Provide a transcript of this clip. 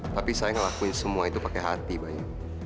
tapi saya ngelakuin semua itu pakai hati banyak